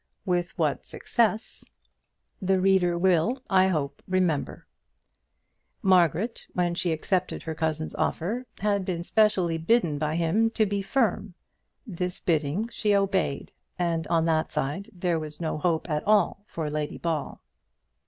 With what success the reader will, I hope, remember. Margaret, when she accepted her cousin's offer, had been specially bidden by him to be firm. This bidding she obeyed, and on that side there was no hope at all for Lady Ball.